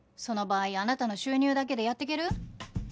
その場合あなたの収入だけでやっていける？